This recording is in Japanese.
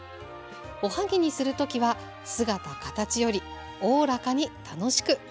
おはぎにする時は姿形よりおおらかに楽しく。